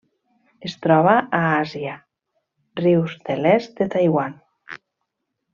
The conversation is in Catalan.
Es troba a Àsia: rius de l'est de Taiwan.